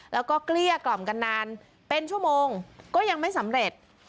แล้วก็เกลี้ยกล่อมกันนานเป็นชั่วโมงก็ยังไม่สำเร็จ